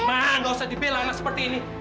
ma gak usah dipela anak seperti ini